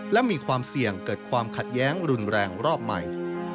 และมีความเสี่ยงเกิดความขัดแย้งรุนแรงรอบใหม่